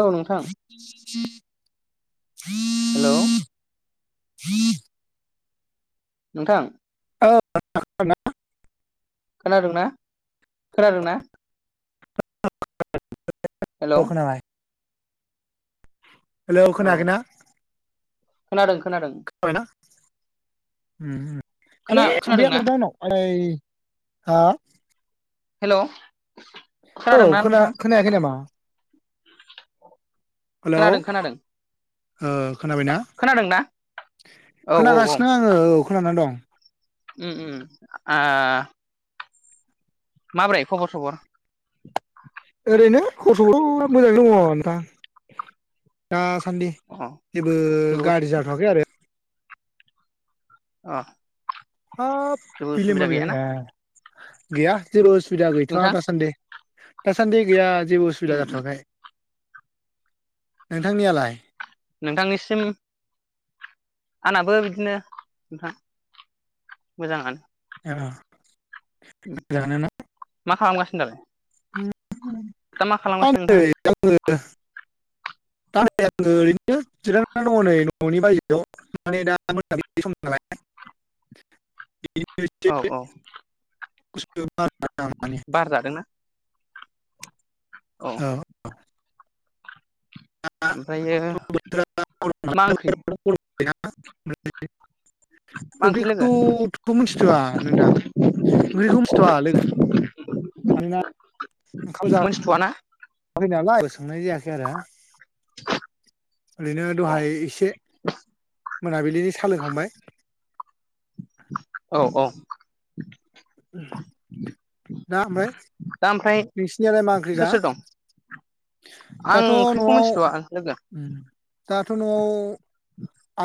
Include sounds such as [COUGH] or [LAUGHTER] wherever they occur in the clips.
औ नोंथां हेलौ नोंथां [UNINTELLIGIBLE] खोनादोंना खोनादोंना हेलौ [UNINTELLIGIBLE] औ खोनाबाय हेलौ औ खोनायाखैना खोनादों खोनादों खोनाबायना हम खोना खोनादोंना [UNINTELLIGIBLE] खाय आ हेल' औ खोना खोनायाखै नामा हेलौ खोनादों खोनादों ओ खोनाबायना खोनादोंना औ औ औ खोनागासिनो आङो औ खोनाना दं उम उम उम आ माब्रै खबर सबर ओरैनो खबराथ' मोजाङैनो दङ नोंथां दा दासान्दि अ जेबो जेबो उसु गारजि जाथ'वाखै आरो अ हाब जेबो बेलाल उसुबिदा माबेलाय गैयाना गैया जेबो उसुबिदा गैथ'वा नोंथां दासान्दि दासान्दि गैया जेबो उसुबिदा उम उम जाथ'वाखै नोंथांनियालाय नोंथांनिसिम आंनाबो बिदिनो नोंथां मोजाङानो ए उम मोजाङानो ना मा खालामगासिनो दालाय [UNINTELLIGIBLE] दा मा खालामगासिनो नोंथाङा दा आङो ओरैनो जिरायनानै दङ नै न'नि बायजोआव माने दा मोनाबिलि सम नालाय बिदिनो एसे औ औ [UNINTELLIGIBLE] आं माने बार‌ जादोंना औ औ ओमफ्रायो थ' बोथोरा गरम मा नालाय ओंख्रि मा ओंख्रि लोगो ओंख्रिखौथ' मिथिथ'वा नोंथां [UNINTELLIGIBLE] ओंख्रिखौ मिथिथ'वा लोगो मानोना ओंखाम जाथ'वाखै मोनथिथ'वा ना नालाय थांनाय जायाखै आरो ओरैनो अ दहाय एसे मोनाबिलिनि सा लोंखांबाय औ औ दा आमफाय दा ओमफ्राय नोंसिनियालाय मा ओंख्रि सोर दा सोर दं आं दाथ' न'आव ओंख्रिखौ ओ मिथिथ'वा लोगो दाथ' न'आव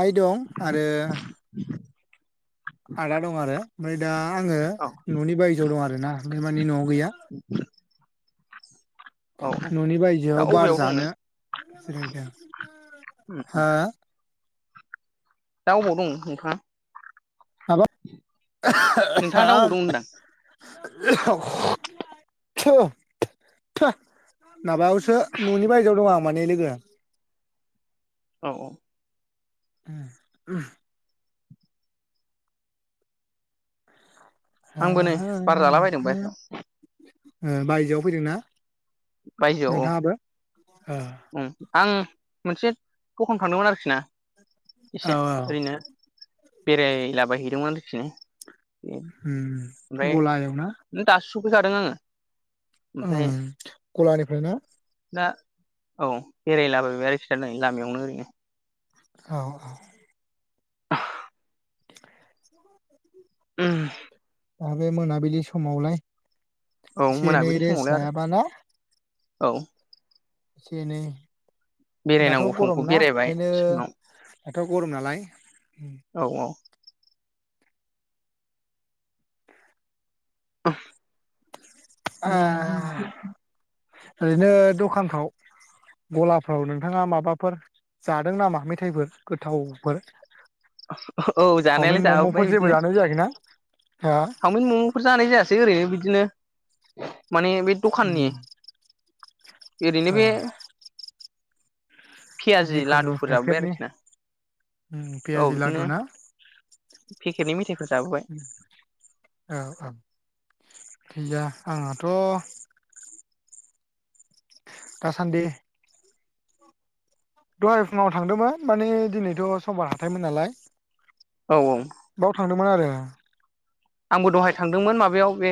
आइ दं आरो आदा दं आरो ओमफ्राय दा आङो औ न'नि बायजोआव दं आरोना बे मानि न'आव गैया औ दा न'नि बायजोआव बार अबेयाव दं जानो नों जिरायदों हा दा अबाव दं नोंथाङा [UNINTELLIGIBLE] औ नोंथाङा दा अबाव दं होनदां माबायावसो न'नि बायजोआव दं आं माने लोगो औ औ [INAUDIBLE] आंबो नै बार जालाबायदों बाय बायजोआव फैदोंना? बायजोआव औ नोंथाङाबो ओ ओं आं मोनसे दखान थांदोंमोन आरोखि ना एसे औ ओरैनो बेरायलाबायहैदोंमोन। [UNINTELLIGIBLE] गलायावना सौफैखादों आङो ओमफ्राय ओं गलानिफ्राय ना दा औ बेरायलाबायबाय आरोखिना नै लामायावनो ओरैनो औ औ ओम दा बे मोनाबिलि समावलाय औ एसे‌ एनै मोनाबिलि समावलाय रेस्ट आरो लायाबा न औ एसेनो बेरायनांगौ समखौ बेरायबाय ओंखायनो सोरनाव दाथ' गरम नालाय [INAUDIBLE] आ [UNINTELLIGIBLE] ओरैनो दखानफ्राव गलाफ्राव नोंथाङा माबाफोर जादों नामा मेथायाइफोर गोथावफोर? औ चावमिन जानायालाय मम'फोर जाबोबाय जेबो बिदिनो जानाय जायाखैना हा सावमिन म'मफोर जानाय जायासै ओरै बिदि बिदिनो माने बे उम दखाननि ओरैनो ओ बे पियाजि जिखुनु लादुफोर जाबोबाय पेकेटनि आरोखि ना उम औ उम पियाजि बिदिनो लादु ना पेकेटनि मेथायाइफोर जाबोबाय। औ औ गैया आंहाथ' दासान्दि दहाय फुङाव थांदोंमोन माने दिनैथ' समबार हाथायमोन नालाय। औ बाव थांदोंमोन आरो [UNINTELLIGIBLE] आंबो दहाय थांदोंमोन माबायाव बे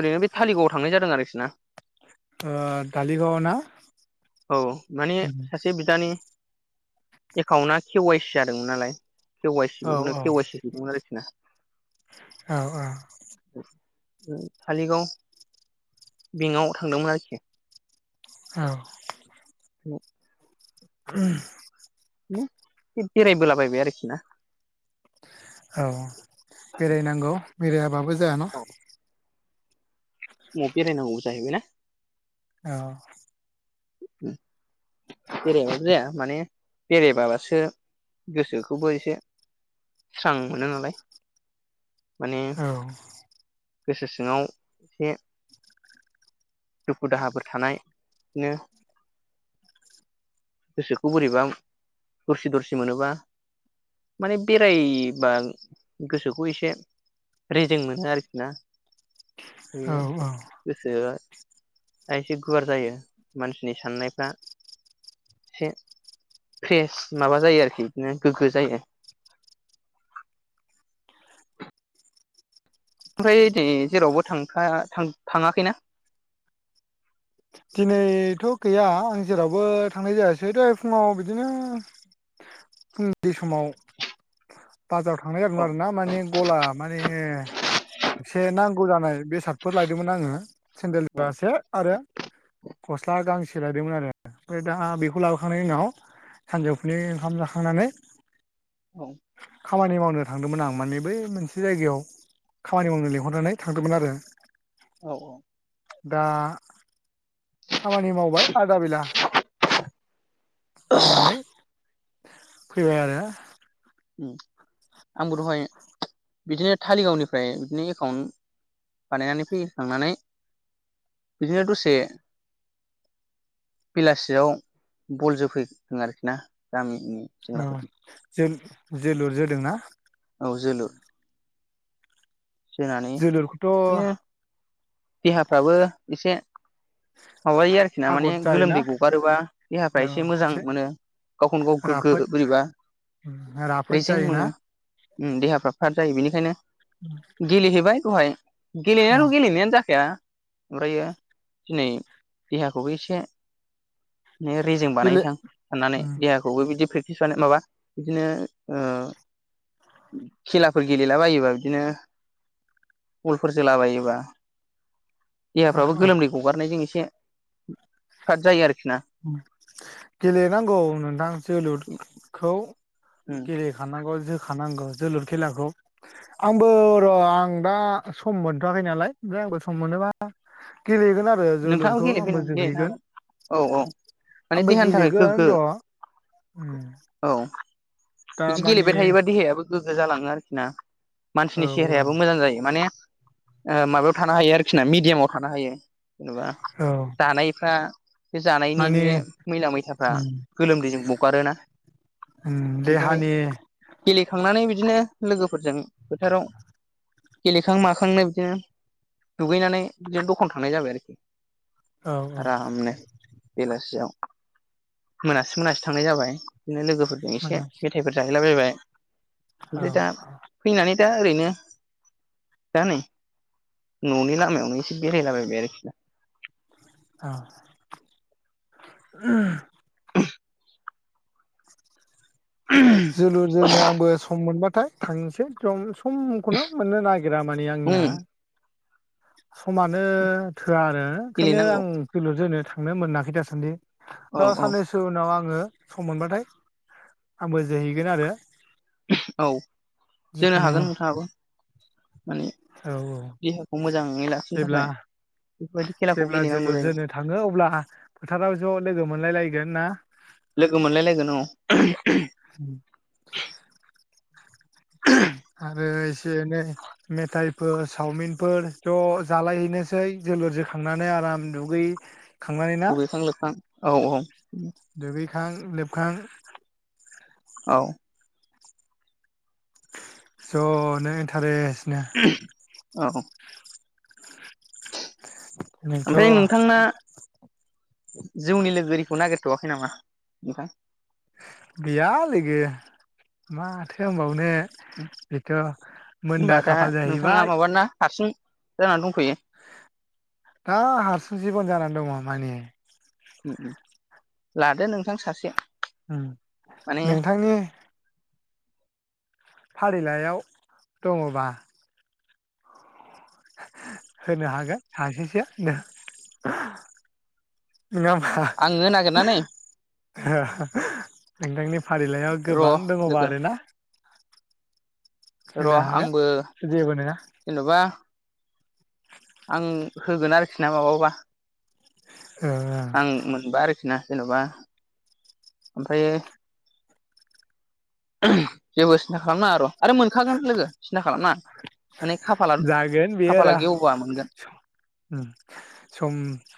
ओरैनो बे थालिगावआव थांनाय जादों आरोखि ना ओ दालि गावाव ना औ माने सासे बिदानि एकाउन्टआ के वाइ सि जादोंमोन नालाय के वाइ औ सि के वाइ सि हैदोंमोन आरोखि ना औ औ थालिगाव बेंकआव थांदोंमोन आरोखि औ उम उम बेरायबोलाबायबाय आरोखि ना औ बेरायनांगौ बेरायाबाबो जायाना ऊम बेरायनांगौ जाहैबायना औ बेरायाबाबो जाया माने बेरायबासो गोसोखौबो एसे स्रां मोनो नालाय माने औ गोसो सिङाव एसे दुखु दाहाफोर थानाय बिदिनो गोसोखौ बोरैबा दरसि दरसि मोनोबा माने बेरायबा गोसोखौ एसे रेजें मोनो आरोखि ना बे औ औ गोसो द एसे गुवार जायो मानसि नि साननायफ्रा एसे फ्रेस माबा जायो आरोखि बिदिनो गोग्गो जायो ओमफ्राय दि जेरावबो थां था थाङाखैना दिनैथ' गैया आं जेरावबो थांनाय जायासै दहाय फुङाव बिदिनो फुंनि समाव बाजाराव थांनाय जागोन औ आरो ना माने गला माने एसे नांगौ जानाय बे सारटफोर लायदोंमोन आङो औ सेन्देलफ्रासो आरो गस्ला गांसे लायदोंमोन आरो ओमफ्राय दा बेखौ लाबोखांनायनि उनाव सानजौफुै ओंखाम जाखांनानै औ खामानि मावनो थांदोंमोन आं माने बै मोनसे जायगायाव खामानि मावनो लिंहरनानै थांदोंमोन आरो औ औ दा खामानि मावबाय आदा बेला मावनानै फैबाय आरो आंबो दहाय बिदिनो थालिगावनिफ्राय बिदिनो एकाउन्ट बानायनानै फैखांनानै बिदिनो दसे बेलासियाव बल जफैदों आरोखि ना गामि अ जो जोलुर‌ जोदों ना जोलुर जोनानै बिदिनो जोलुरखौथ' देहाफ्राबो एसे माबायो आरोखि ना माने थागद जायोना गोलोमदै गगारोबा देहाफ्रा एसे मोजां मोनो गावखौनो गाव गोग्गो राफोद बोरैबा राफोद रेजें जायोना मोनो। ओम देहाफ्रा फार जायो बेनिखायनो [INAUDIBLE] गेलेहैबाय दहाय औ गेलेनायाथ' गेलेनायानो जाखाया ओमफ्रायो दिनै देहाखौबो एसे रेजें गेले बानायसां साननानै देहाखौबो बिदि फे [UNINTELLIGIBLE] माबा बिदिनो ओ खेलाफोर गेलेला बायोबा बिदिनो बलफोर जोलाबायोबा औ देहाफ्राबो औ गोलोमदै गगारनाय जों एसे से गेलेनांगौ नोंथां जोलुरखौ उम गेले खानांगौ जोखानांगौ जोलुर खेलाखौ आंबो र' आं दा सम मोनथ'वाखै नालाय ओमफ्राय आंबो सम मोनोबा गेलेगोन आरो नोंथाङाबो जोलुरखौ आंबो गेलेफैनानै गेलेनो जोहैगोन हागोन औ औ माने आंबो देहानि थाखाय गेलेगोन गोग्गो र' औ दा बिदि गेलेबाय मानि थायोबा देहायाबो गोग्गो जालाङो आरोखि ना औ मानसिनि औ सेहेरायाबो मोजां जायो माने ओ माबायाव थानो हायो आरोखि ना मिडियामाव थानो हायो। जेनेबा औ जानायफ्रा बे जानायनि मानि बे मैला मैथाफ्रा गोलोमदैजों बगारोना ओमफ्राय देहानि गेलेखांनानै बिदिनो लोगोफोरजों फोथाराव गेलेखां माखांनो बिदिनो दुगैनानै बिदिनो दखान थांनाय जाबाय आरोखि। [INAUDIBLE] औ आराम नो बेलासिआव मोनासि मोनासि थांनाय जाबाय बिदिनो लोगोफोरजों औ एसे मेथाइफोर जाहैलाबायबाय। औ ओमफ्राय दा फैनानै दा ओरैनो दा नै न'नि लामायावनो एसे बेरायलाबायबाय आरोखि दा औ [INAUDIBLE] [INAUDIBLE] जोलुर जोनो आंबो सम मोनबा थाय थांनोसै जम समखौनो मोननो नागिरा माने आंनिया समानो थोआ आरो ओंखायनो गेलेनांगौ आं जोलुर जोनो थांनो मोनाखै दासान्दि औ र' औ साननैसो उनाव आङो सम मोनबाथाय आंबो जोहैगोन आरो औ जोनो जिखुनु हागोन नोंथाङाबो माने औ औ देहाखौ मोजाङै लाखिनो जेब्ला थाखाय बेफोरबायदि खेलाखौ जेब्ला गेलेनांगौ जोलुर जायो जोनो थाङो अब्ला फोथाराव ज' लोगो मोनलाय लायगोन ना लोगो मोनलायलायगोन औ आरो एसे एनै मेथाइफोर सावमिनफोर ज' जालायहैनोसै जोलुर जोखांनानै आराम दुगै दुगैखां लोबखां औ औ [UNINTELLIGIBLE] खां लोबखां औ ज' नों इन्टारेस्ट [INAUDIBLE] औ दिनैथ' ओमफ्राय नोंथांना जौनि लोगोरि खौ नागेरथ आखै नामा ओमफाय गैया लोगो माथो होनबावनो बेथ' होमबा मोनदा दा खाफाल नोंथाङा जाहैबाय माबाना हारसिं जानानै दंथयो दा हारसिं जिबन जानानै दङ माने लादो नोंथां सासे उम माने नोंथांनि फारिलाइयाव दङबा होनो हागोन सासेसो नङा होमबा आंनो नागिरनानै नोंथांनि फारिलाइयाव गोबां र' दङबा लोगो आरोना होनो र' हागोन आंबो जेबो नङा जेन'बा आं होगोन आरोखि ना माबाबा ओ आं मोनबा आरो बिना जेन'बा ओमफ्रायो [UNINTELLIGIBLE] सिन्था खालामना र' आरो मोनखागोन लोगो सिन्था खालामनाङा। माने खाफाला जागोन बेयो खाफाला आदा गेवबा मोनगोन सम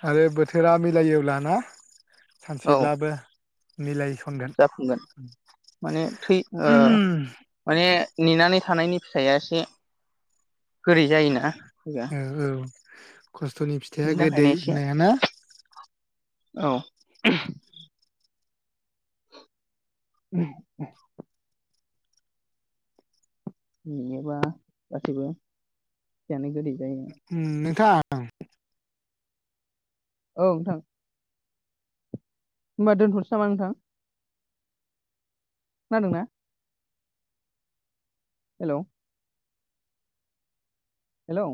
आरो बोथोरा योब्ला ना औ सानसेब्लाबो मिलाय जाफुंगोन माने थै ओ माने नेनानै थानायनि फिथाइया एसे गोरै जायोना फुजा औ औ खस्थ'नि फिथाइया गोदै होननायाना औ [INAUDIBLE] नङाबा गासैबो फिथाइआनो गोदै जायो नोंथां औ औ नोंथां होनोमबा दोनथनोसै नामा नोंथां? खोनादोंना? हेल' हेलौ